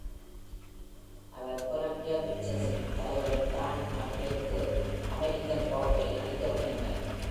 அவர் Columbia பிக்சர்ஸின் தலைவர் Dan Melnick-க்கு "அமெரிக்கன் பாப்"-ஐ அளிக்க முயன்றார்.